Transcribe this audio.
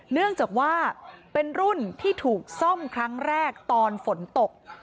เนื่องจากว่าเป็นรุ่นที่ถูกซ่อมครั้งแรกตอนฝนตก